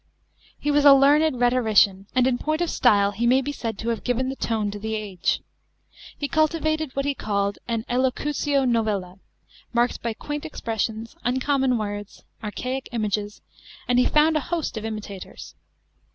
He was a learned rhetorician, and in point of style he may be said to have given the tone to the age. He cultivated what he called an elocutio novella, marked by quaint expressions, uncommon words, archaic images, and he found a host of imitators.